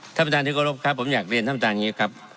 ท่านประธานที่กรบครับผมอยากเรียนท่านประธานอย่างนี้ครับ